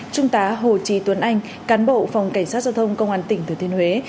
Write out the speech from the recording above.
trung tá hồ trí tuấn anh cán bộ phòng cảnh sát giao thông công an tỉnh thừa thiên huế